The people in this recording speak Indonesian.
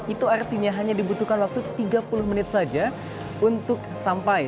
itu artinya hanya dibutuhkan waktu tiga puluh menit saja untuk sampai